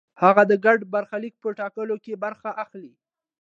هغه د ګډ برخلیک په ټاکلو کې برخه اخلي.